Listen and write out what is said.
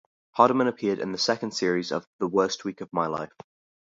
Hardiman appeared in the second series of "The Worst Week of My Life".